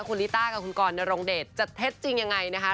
คุณลิต้ากับคุณกรนรงเดชจะเท็จจริงยังไงนะคะ